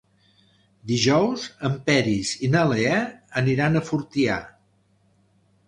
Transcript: Dijous en Peris i na Lea aniran a Fortià.